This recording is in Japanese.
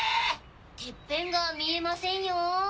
てっぺんが見えませんよ。